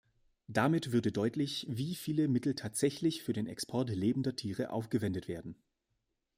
Damit würde deutlich, wie viele Mittel tatsächlich für den Export lebender Tiere aufgewendet werden.